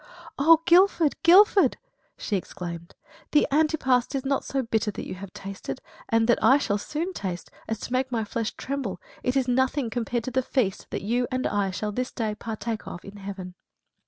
"Oh Guilford! Guilford!" she exclaimed; "the antepast is not so bitter that you have tasted, and that I shall soon taste, as to make my flesh tremble; it is nothing compared to the feast that you and I shall this day partake of in heaven."